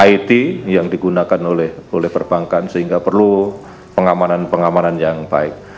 it yang digunakan oleh perbankan sehingga perlu pengamanan pengamanan yang baik